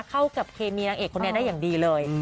เข้ากับเคมีนางเอกคนนี้ได้อย่างดีเลย